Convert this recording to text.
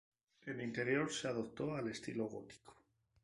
En el interior se adoptó el estilo gótico.